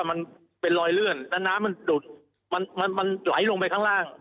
มันเป็นรอยเลื่อนแล้วน้ำมันดุดมันมันไหลลงไปข้างล่าง